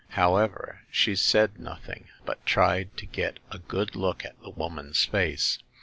However, she said nothing, but tried to get a good look at the woman's face.